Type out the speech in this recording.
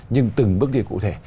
nhưng từng bước đi cụ thể